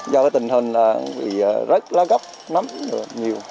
do cái tình hình là bị rớt lá gốc nấm nhiều